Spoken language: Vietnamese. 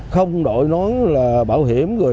không đội nón là bảo hiểm